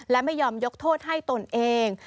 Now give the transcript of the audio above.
และไม่ยอมยกโทษให้ตนเอง